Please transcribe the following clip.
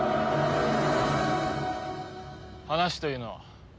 話というのは？